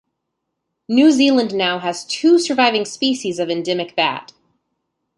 New Zealand now has two surviving species of endemic bat.